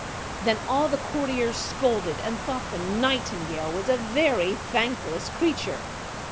Then all the courtiers scolded, and thought the Nightingale was a very thankless creature.